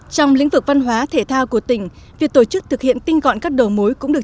trong lĩnh vực văn hóa thể thao của tỉnh việc tổ chức thực hiện tinh gọn các đầu mối cũng được